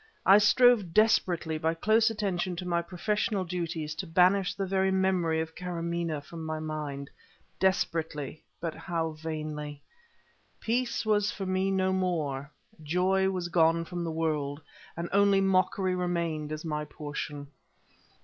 I strove desperately, by close attention to my professional duties, to banish the very memory of Karamaneh from my mind; desperately, but how vainly! Peace was for me no more, joy was gone from the world, and only mockery remained as my portion.